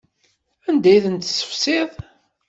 Anda ay ten-tessefsiḍ?